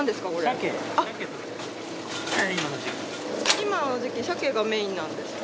今の時期サケがメインなんですか？